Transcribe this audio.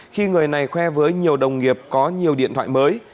khi người này khoe với nhiều đồng nghiệp có nhiều điện thoại mới